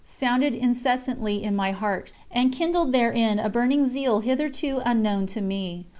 sounded incessantly in my heart, and kindled therein a burning zeal hitherto unknown to me.